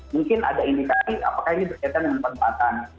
mungkin ada indikasi apakah ini berkaitan dengan penempatan